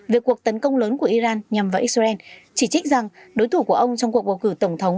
về cuộc tấn công lớn của iran nhằm vào israel chỉ trích rằng đối thủ của ông trong cuộc bầu cử tổng thống